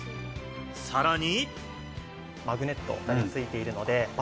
さらに。